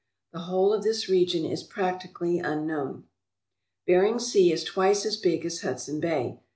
The whole of this region is practically unknown. Bering Sea is twice as big as Hudson Bay.